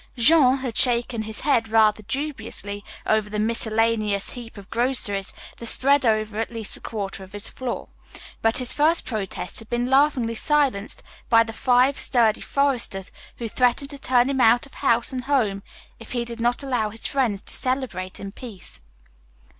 Jean had shaken his head rather dubiously over the miscellaneous heap of groceries that spread over at least a quarter of his floor, but his first protest had been laughingly silenced by the five sturdy foresters, who threatened to turn him out of house and home if he did not allow his friends to celebrate in peace.